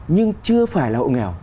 nhưng chưa phải là hộ nghèo